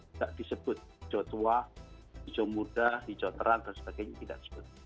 tidak disebut hijau tua hijau muda hijau terang dan sebagainya tidak disebut